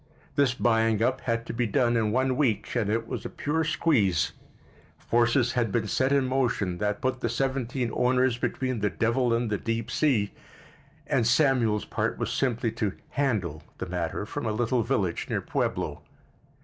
This buying up had to be done in one week, and it was a pure squeeze. Forces had been set in motion that put the seventeen owners between the devil and the deep sea, and Samuel's part was simply to "handle" the matter from a little village near Pueblo.